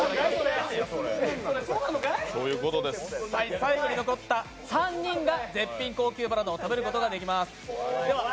最後に残った３人が絶品高級バナナを食べることができます。